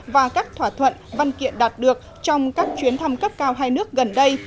và các thỏa thuận văn kiện đạt được trong các chuyến thăm cấp cao hai nước gần đây